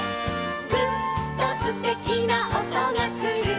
「ぐっとすてきな音がする」